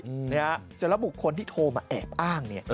เสร็จแล้วบุคคลที่โทรมาแอบอ้างเนี่ย